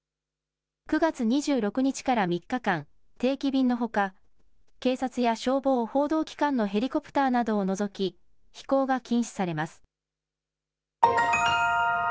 ９月２６日から３日間、定期便のほか、警察や消防、報道機関のヘリコプターなどを除き、飛行が禁止されます。